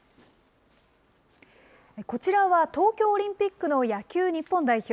こちらは東京オリンピックの野球日本代表。